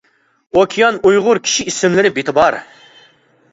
ئوكيان ئۇيغۇر كىشى ئىسىملىرى بېتى بار.